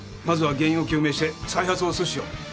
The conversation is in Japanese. まずは原因を究明して再発を阻止しよう。